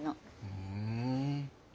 ふん。